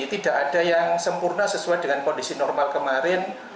tidak ada yang sempurna sesuai dengan kondisi normal kemarin